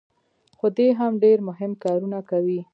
خو دی هم ډېر مهم کارونه کوي.